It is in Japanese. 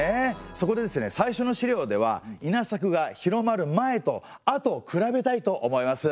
そこでですね最初の資料では稲作が広まる前と後を比べたいと思います。